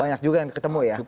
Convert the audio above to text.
banyak juga yang ketemu ya